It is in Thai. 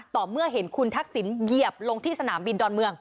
เมื่อเห็นคุณทักษิณเหยียบลงที่สนามบินดอนเมือง